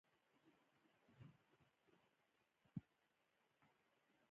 متقابل احترام ته هم باید وده ورکړل شي.